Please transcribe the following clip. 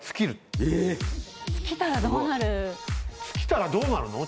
尽きたらどうなる？